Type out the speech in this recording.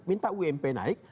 minta ump naik